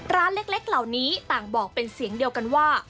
ร้านเล็กเหล่านี้ต่างบอกเป็นเสียงเดียวกันว่า